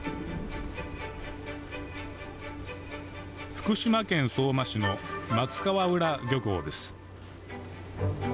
福島県相馬市の松川浦漁港です。